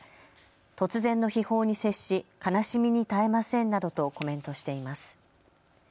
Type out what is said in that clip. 突然の悲報に接し、悲しみに耐えませんなどとコメントしています。